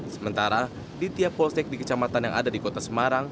sementara di tiap polsek di kecamatan yang ada di kota semarang